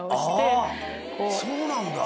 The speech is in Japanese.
あっそうなんだ。